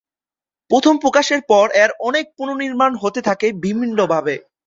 প্রথম প্রকাশের পর এর অনেক পুনর্নির্মাণ হতে থাকে বিভিন্নভাবে।